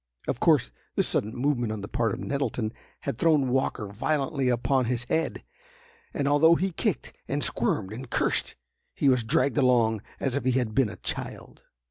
Of course this sudden movement on the part of Nettleton had thrown Walker violently upon his head, and, although he kicked, and squirmed and cursed, he was dragged along as if he had been a child.